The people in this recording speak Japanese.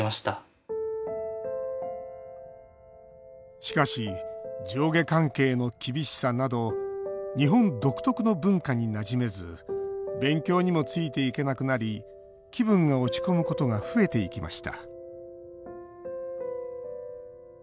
しかし、上下関係の厳しさなど日本独特の文化になじめず勉強にもついていけなくなり気分が落ち込むことが増えていきました